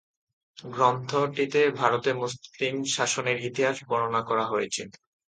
গ্রন্থটিতে ভারতে মুসলিম শাসনের ইতিহাস বর্ণনা করা হয়েছে।